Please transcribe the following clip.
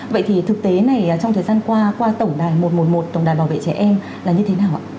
vậy thì thực tế này trong thời gian qua qua tổng đài một trăm một mươi một tổng đài bảo vệ trẻ em là như thế nào ạ